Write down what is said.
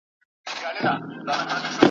له بارونو له زخمونو له ترټلو ..